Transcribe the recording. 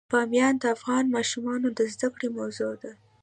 بامیان د افغان ماشومانو د زده کړې موضوع ده.